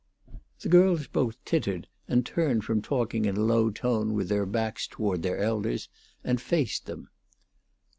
The girls both tittered, and turned from talking in a low tone with their backs toward their elders, and faced them.